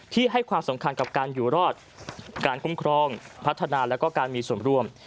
ให้ความสำคัญกับการอยู่รอดการคุ้มครองพัฒนาแล้วก็การมีส่วนร่วม